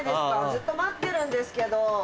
ずっと待ってるんですけど。